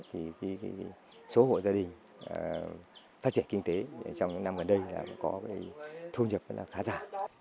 thì số hộ gia đình phát triển kinh tế trong những năm gần đây có thu nhập khá giả